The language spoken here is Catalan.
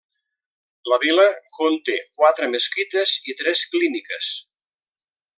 La vila conté quatre mesquites i tres clíniques.